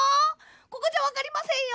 ここじゃわかりませんよ。